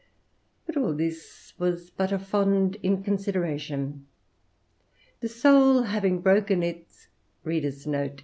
But all this was but fond inconsideration. The soul, having broken its ...